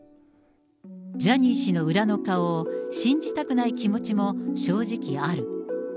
ジャニー氏の裏の顔を信じたくない気持ちも正直ある。